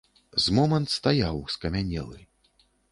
З момант стаяў, скамянелы.